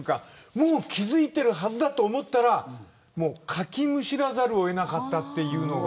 もう気付いてるはずだと思ったらかきむしらざるを得なかったというのが。